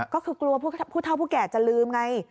ก็คือกลัวผู้เท่าผู้แก่จะลืมไง